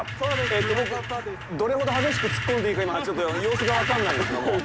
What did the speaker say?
えっと、僕、どれほど激しく突っ込んでいいか、今、ちょっと様子が分からないんですけども。